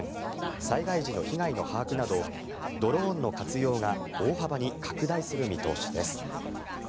災害時の被害の把握などドローンの活用が大幅に拡大する見通しです。